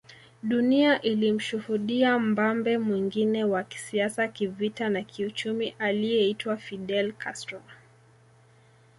Dunia ilimshuhudia mbambe mwingine wa kisiasa kivita na kiuchumi aliyeitwa Fidel Castro